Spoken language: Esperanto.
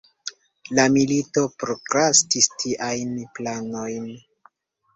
La milito prokrastis tiajn planojn.